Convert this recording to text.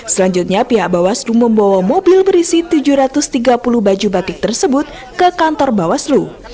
selanjutnya pihak bawah slu membawa mobil berisi tujuh ratus tiga puluh baju batik tersebut ke kantor bawah slu